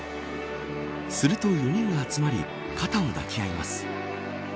すると４人が集まり肩を抱き合います。